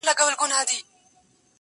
چي ته نه کړې اندېښنه زما د زامنو -